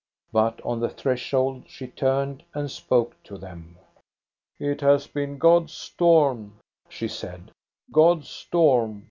But on the threshold she turned and spoke to them. " It has been God's storm," she said, —God's storm.